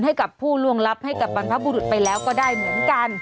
ให้กับผู้ล่วงลับให้กับบรรพบุรุษไปแล้วก็ได้เหมือนกัน